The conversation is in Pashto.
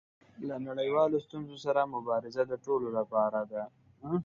له نړیوالو ستونزو سره مبارزه د ټولو لپاره ده.